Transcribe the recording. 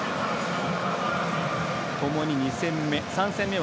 ともに２戦目。